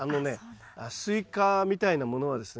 スイカみたいなものはですね